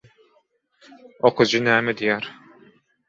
«Okyjy näme diýer?»